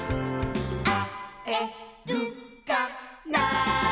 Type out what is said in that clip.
「あえるかな」